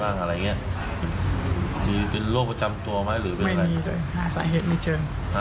หาสาเหตุไม่ได้เพราะว่าเอ็กซาเรทไม่มีอะไร